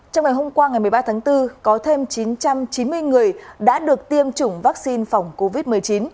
trong ngày hôm qua ngày một mươi ba tháng bốn có thêm chín trăm chín mươi người đã được tiêm chủng vaccine phòng covid một mươi chín